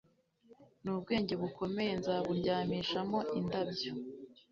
nubwenge bukomeye, nzaburyamishamo indabyo.